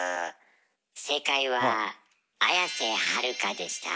正解は綾瀬はるかでした。